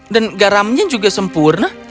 dan garamnya juga sempurna